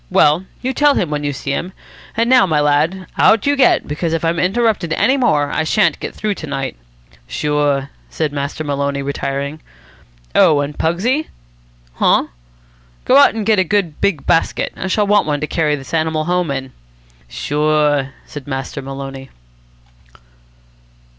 Well, you tell him when you see him. And now, my lad, out you get, because if I'm interrupted any more I shan't get through to night." "Sure," said Master Maloney, retiring. "Oh, and Pugsy ..." "Huh?" "Go out and get a good big basket. I shall want one to carry this animal home in." "Sure," said Master Maloney.